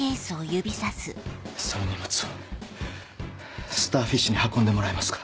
その荷物をスターフィッシュに運んでもらえますか。